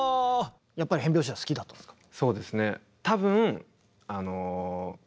やっぱり変拍子は好きだったんですか？